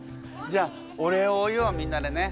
じゃあお礼を言おうみんなでね。